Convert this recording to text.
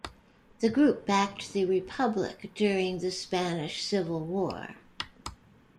The group backed the Republic during the Spanish Civil War.